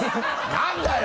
何だよ！